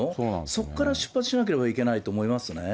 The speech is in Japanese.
そこから出発しなければいけないと思いますね。